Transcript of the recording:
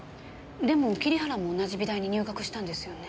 でも桐原も同じ美大に入学したんですよね？